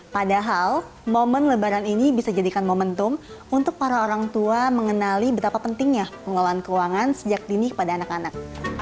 padahal momen lebaran ini bisa jadikan momentum untuk para orang tua mengenali betapa pentingnya pengelolaan keuangan sejak dini kepada anak anak